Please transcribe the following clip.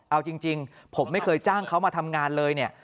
เอาจริงผมไม่เคยจ้างเขามาทำงานเลยเนี่ย